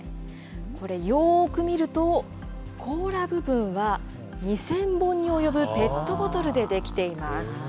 これ、よーく見ると、甲羅部分は２０００本に及ぶペットボトルで出来ています。